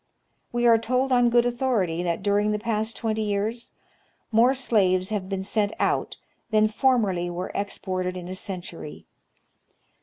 We are told on good authority that during the past twenty years more slaves have been sent out than formerly wei e exported in a century.